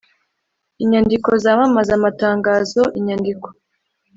Inyandiko zamamaza amatangazo inyandiko